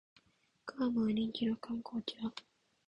グアムは人気の観光地だ